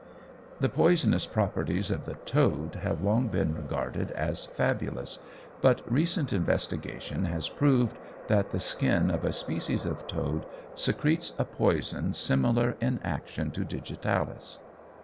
The poisonous properties of the toad have long been regarded as fabulous, but recent investigation has proved that the skin of a species of toad secretes a poison, similar in action to digitalis.